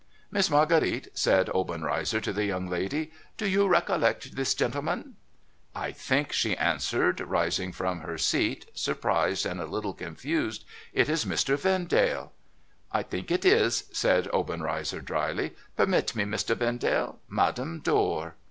' Miss Marguerite,' said Obenreizer to the young lady, * do you recollect this gentleman ?' MADAME DOR ^9^ ' I think,' she answered, rising from her seat, surprised and a little confused :' it is Mr. Vendale ?'* I think it is,' said Obenreizer, dryly. ' Permit me, Mr. Vendale. Madame Dor.'